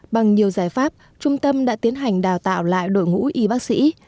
bằng nhiều giải pháp trung tâm đã tiến hành đào tạo lại đội ngũ y bác sĩ